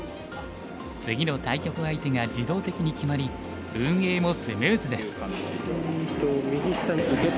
次の対局相手が自動的に決まり運営もスムーズです。